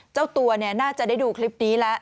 เจ้าตัวน่าจะได้ดูคลิปนี้แล้ว